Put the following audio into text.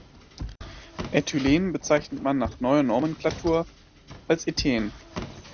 Äthylen bezeichnet man nach neuer Nomenklatur als Ethen.